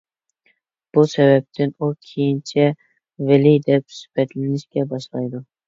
بۇ سەۋەبتىن ئۇ كېيىنچە «ۋەلى» دەپ سۈپەتلىنىشكە باشلايدۇ.